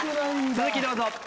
続きどうぞ。